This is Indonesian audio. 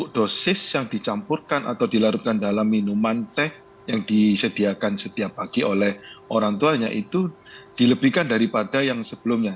dosis yang dicampurkan atau dilarutkan dalam minuman teh yang disediakan setiap pagi oleh orang tuanya itu dilebihkan daripada yang sebelumnya